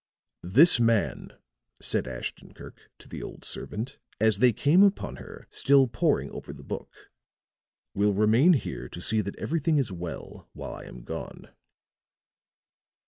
"This man," said Ashton Kirk to the old servant as they came upon her, still poring over the book, "will remain here to see that everything is well while I am gone."